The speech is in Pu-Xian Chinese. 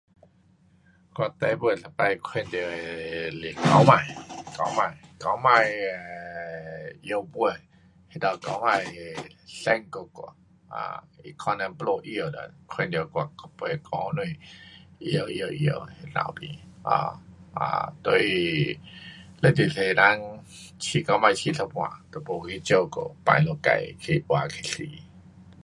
我最后一次看到的是狗儿。狗儿，狗儿会摇尾，那只狗儿 um 瘦骨骨 um 它可能肚子饿了。看见我尾屁股摇摇摇那头边 um um 所以十分多人喂狗儿喂一半就没去照顾，放它们自己去活去死。